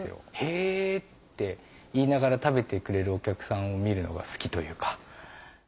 「へぇ」って言いながら食べてくれるお客さんを見るのが好きというか。